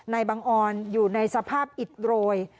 บังออนอยู่ในสภาพอิดโรย